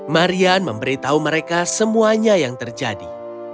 marian memberitahu mereka semuanya yang terjadi